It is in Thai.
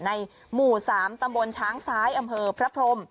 หมู่๓ตำบลช้างซ้ายอำเภอพระพรม